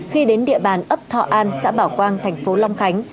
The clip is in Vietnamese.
khi đến địa bàn ấp thọ an xã bảo quang thành phố long khánh